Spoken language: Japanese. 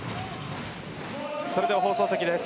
それでは放送席です。